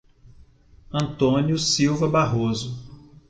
Antônio Silva Barroso